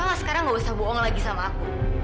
kakak mah sekarang gak usah bohong lagi sama aku